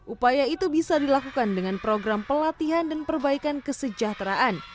upaya itu bisa dilakukan dengan program pelatihan dan perbaikan kesejahteraan